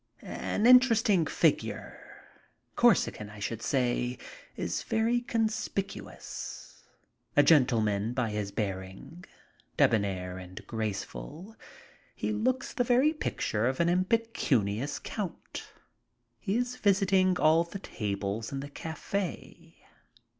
An interesting figure, Corsican, I should say, is very con spicuous. A gentleman by his bearing, debonair and grace ful, he looks the very picture of an impecunious count. He is visiting all the tables in the cafe.